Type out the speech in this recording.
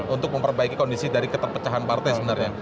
untuk memperbaiki kondisi dari keterpecahan partai sebenarnya